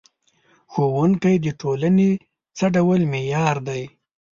ښوونکی د ټولنې څه ډول معمار دی؟